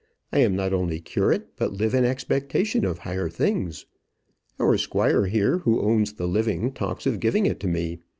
I am not only curate, but live in expectation of higher things. Our squire here, who owns the living, talks of giving it to me.